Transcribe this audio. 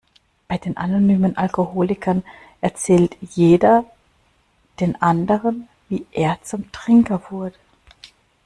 Bei den Anonymen Alkoholikern erzählt jeder den anderen, wie er zum Trinker wurde.